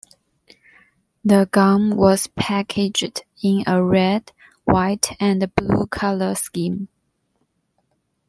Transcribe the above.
The gum was packaged in a red, white, and blue color scheme.